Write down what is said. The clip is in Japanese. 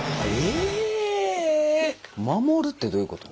守るってどういうこと？